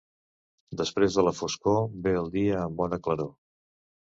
Després de la foscor, ve el dia amb bona claror.